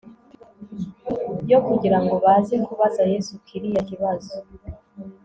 yo kugira ngo baze kubaza yesu kiriya kibazo